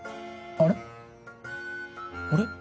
あれ？